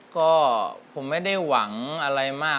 ก็ผมไม่ได้หวังอะไรมาก